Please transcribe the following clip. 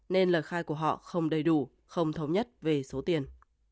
nên lời khai của họ không đầy đủ không thống nhất về số tiền